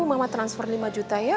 mama transfer lima juta ya